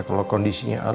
kalau kondisinya ala